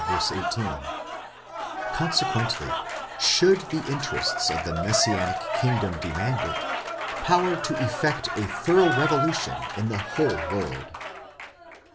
18); consequently, should the in terests of the messianic kingdom demand it, power to effect a thorough revo lution in the whole world.